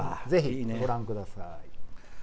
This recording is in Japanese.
ぜひご覧ください。